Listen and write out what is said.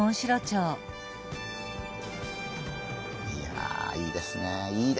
いやいいですねいい。